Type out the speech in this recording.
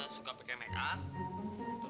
dan anaknya klamok itu